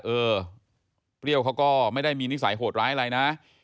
เออเปรี้ยวเขาก็ไม่ได้มีนิสัยโหดร้ายอะไรนะ